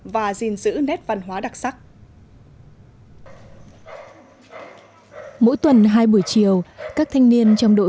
và gìn giữ nét văn hóa đặc sắc mỗi tuần hai buổi chiều các thanh niên trong đội